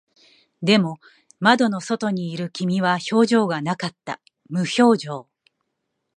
でも、窓の外にいる君は表情がなかった。無表情。